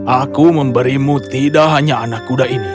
aku memberimu tidak hanya anak kuda ini